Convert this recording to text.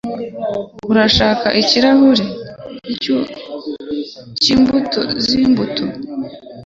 Urashaka ikindi kirahuri cyimbuto zimbuto?